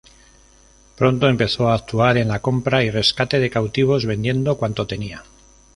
Pronto empezó a actuar en la compra y rescate de cautivos, vendiendo cuanto tenía.